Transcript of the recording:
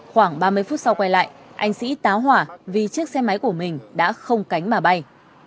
khoảng ba mươi phút sau quay lại anh sĩ táo hỏa vì chiếc xe máy của mình đã không cánh mà bay